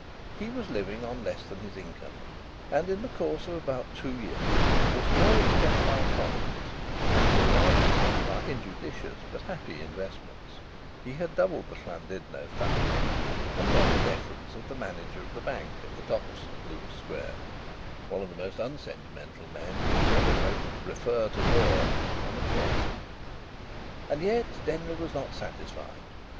He was living on less than his income; and in the course of about two years, to a small extent by economies and to a large extent by injudicious but happy investments, he had doubled the Llandudno thousand and won the deference of the manager of the bank at the top of St Luke's Square one of the most unsentimental men that ever wrote "refer to drawer" on a cheque. And yet Denry was not satisfied.